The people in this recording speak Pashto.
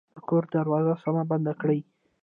د کور دروازه سمه بنده کړئ